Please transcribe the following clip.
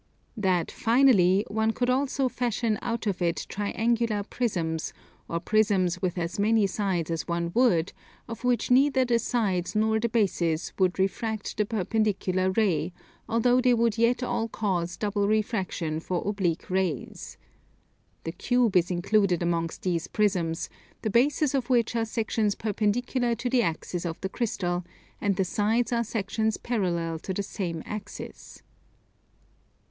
That, finally, one could also fashion out of it triangular prisms, or prisms with as many sides as one would, of which neither the sides nor the bases would refract the perpendicular ray, although they would yet all cause double refraction for oblique rays. The cube is included amongst these prisms, the bases of which are sections perpendicular to the axis of the crystal, and the sides are sections parallel to the same axis.